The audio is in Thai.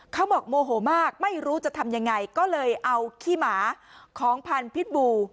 โมโหมากไม่รู้จะทำยังไงก็เลยเอาขี้หมาของพันธุ์บู